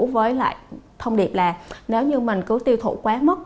với lại thông điệp là nếu như mình cứ tiêu thụ quá mức